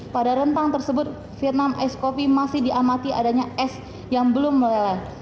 pada rentang tersebut vietnam ice coffee masih diamati adanya es yang belum meleleh